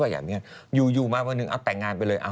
อยู่มาวันหนึ่งแต่งงานไปเลย